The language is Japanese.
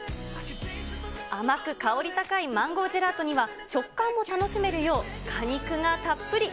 甘く香り高いマンゴージェラートには、食感も楽しめるよう果肉がたっぷり。